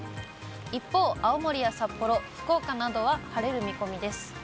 一方、青森や札幌、福岡などは晴れる見込みです。